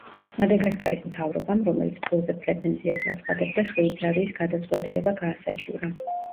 მადაგასკარის მთავრობამ, რომელიც ფულზე პრეტენზიას აცხადებდა შვეიცარიის გადაწყვეტილება გაასაჩივრა.